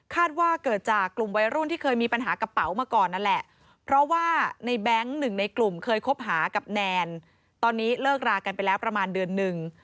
ว่าเกิดจากกลุ่มวัยรุ่นที่เคยมีปัญหากระเป๋ามาก่อนนั่นแหละเพราะว่าในแบงค์หนึ่งในกลุ่มเคยคบหากับแนนตอนนี้เลิกรากันไปแล้วประมาณเดือนหนึ่ง